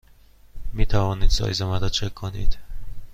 می توانید سایز مرا چک کنید؟